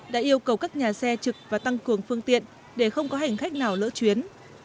đã yêu cầu các nhà xe trực và tăng cường phương tiện để không có hành khách nào lỡ chuyến